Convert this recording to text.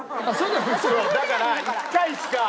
だから１回しか。